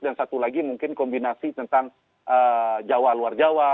dan satu lagi mungkin kombinasi tentang jawa luar jawa